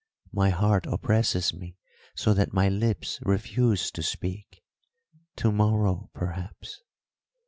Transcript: My heart oppresses me so that my lips refuse to speak. To morrow, perhaps."